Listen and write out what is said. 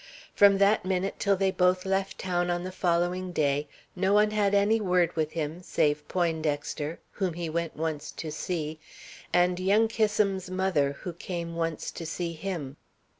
From that minute till they both left town on the following day, no one had any word with him, save Poindexter, whom he went once to see, and young Kissam's mother, who came once to see him.